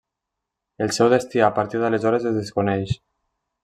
El seu destí a partir d'aleshores es desconeix.